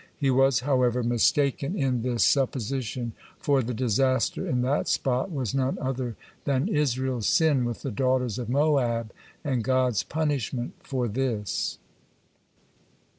He was, however, mistaken in this supposition, for the disaster in that spot was none other than Israel's sin with the daughters of Moab, and God's punishment for this.